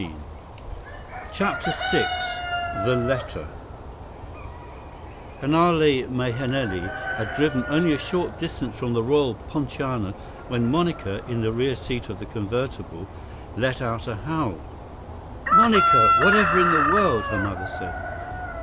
33 CHAPTER VI The Letter Hanale Mahenili had driven only a short distance from the Royal Poinciana when Monica, in the rear seat of the convertible, let out a howl. "Monica! Whatever in the world!" her mother said.